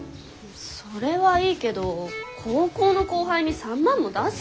それはいいけど高校の後輩に３万も出す？